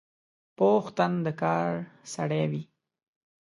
پوخ تن د کار سړی وي